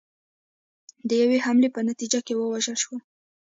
د یوې حملې په نتیجه کې ووژل شول.